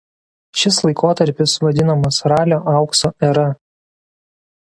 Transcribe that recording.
Šis laikotarpis vadinamas ralio aukso era.